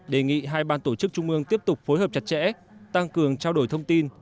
đề nghị hai ban tổ chức trung ương tiếp tục phối hợp chặt chẽ tăng cường trao đổi thông tin